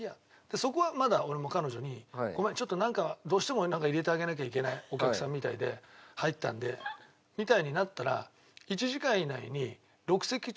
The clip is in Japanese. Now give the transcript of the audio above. そこはまだ俺も彼女にごめんちょっとどうしても入れてあげなきゃいけないお客さんみたいで入ったんでみたいになったら１時間以内に６席中